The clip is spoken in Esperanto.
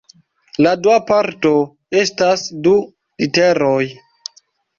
La dua parto estas du literoj.